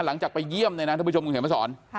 หลังจากไปเยี่ยมเลยนะท่านผู้ชมคุณเห็นไหมสอน